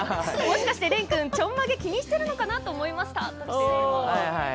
もしかして廉君ちょんまげ気に入っているのかなと思いました。